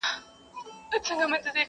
دا خو زموږ د مړو لو بې عزتي ده,